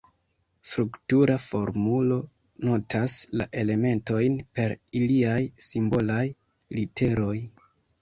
Struktura formulo notas la elementojn per iliaj simbolaj literoj.